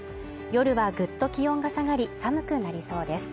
夜はぐっと気温が下がり寒くなりそうです